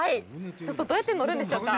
ちょっとどうやって乗るんでしょうか。